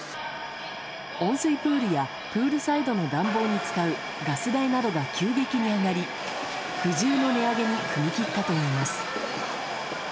温水プールやプールサイドの暖房に使うガス代などが急激に上がり、苦渋の値上げに踏み切ったといいます。